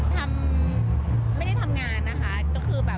คุณพ่อเตรียมอะไรไปน้ำดำหัวคุณพ่อคุณแม่